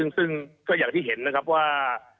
ซึ่งก็อย่างที่เห็นนะครับว่า